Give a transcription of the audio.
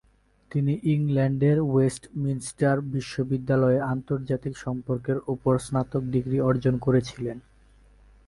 তিনি ইংল্যান্ডের ওয়েস্টমিনস্টার বিশ্ববিদ্যালয়ে আন্তর্জাতিক সম্পর্কের উপর স্নাতক ডিগ্রি অর্জন করেছিলেন।